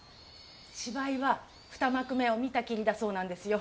芝居は２幕目を見たきりだそうなんですよ。